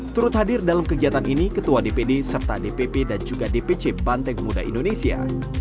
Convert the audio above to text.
turut hadir dalam kegiatan ini ketua dpd serta dpp dan juga dpc banteng muda indonesia